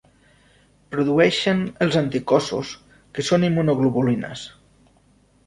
Produeixen els anticossos, que són immunoglobulines.